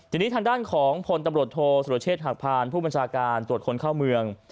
ทีนี้ทางด้านของพลตำรวจโทษสุรเชษฐหักพานผู้บัญชาการตรวจคนเข้าเมือง